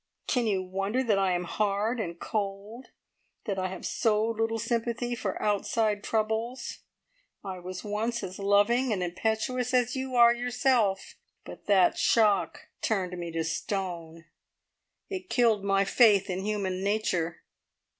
Can you wonder that I am hard and cold that I have so little sympathy for outside troubles? I was once as loving and impetuous as you are yourself, but that shock turned me to stone. It killed my faith in human nature!"